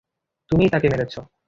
তুমিই তাকে মেরেছো।